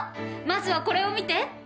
まずはこれを見て！